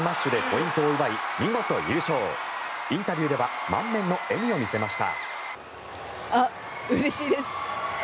インタビューでは満面の笑みを見せました。